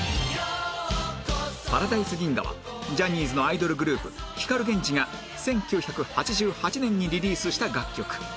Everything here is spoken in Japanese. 『パラダイス銀河』はジャニーズのアイドルグループ光 ＧＥＮＪＩ が１９８８年にリリースした楽曲